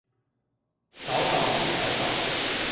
草稿是草稿